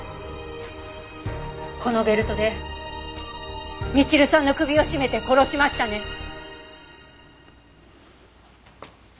このベルトでみちるさんの首を絞めて殺しましたね？